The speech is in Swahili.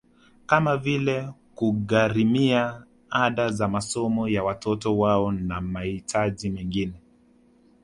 Kama vile kugharimia ada za masomo ya watoto wao na mahitaji mengine